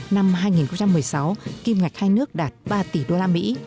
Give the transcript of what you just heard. năm hai nghìn một mươi sáu kim ngạch hai nước đạt ba tỷ đô la mỹ